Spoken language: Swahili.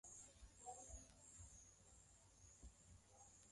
Ulikuwa kwenye magari na mikutano mingine haikupigwa marufuku katika eneo hilo-hilo.